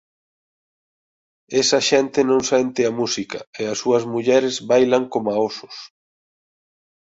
Esa xente non sente a música e as súas mulleres bailan coma osos.